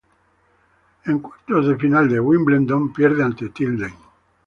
En cuartos de final de Wimbledon pierde ante Tilden.